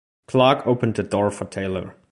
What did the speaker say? Clark opened the door for Taylor.